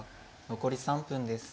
残り３分です。